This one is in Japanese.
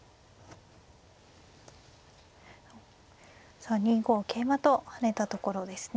さあ２五桂馬と跳ねたところですね。